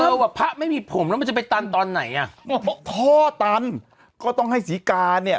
ว่าพระไม่มีผมแล้วมันจะไปตันตอนไหนอ่ะพ่อตันก็ต้องให้ศรีกาเนี่ย